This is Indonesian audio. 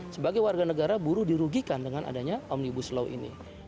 sebagai warga negara buruh dirugikan dengan adanya omnibus law ini